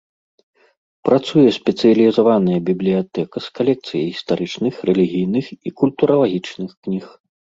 Працуе спецыялізаваная бібліятэка з калекцыяй гістарычных, рэлігійных і культуралагічных кніг.